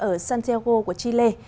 ở santiago của chile